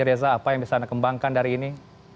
reza apa yang bisa anda kembangkan dari ini